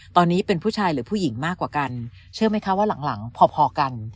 ตอนนี้เป็นผู้ชายหรือผู้หญิงมากกว่ากันเชื่อไหมคะว่าหลังพอกัน